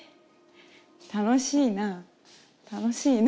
楽しいな楽しいな。